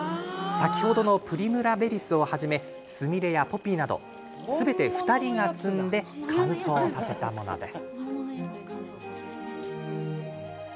先ほどのプリムラ・ベリスをはじめすみれやポピーなどすべて２人が摘んで乾燥させたものです。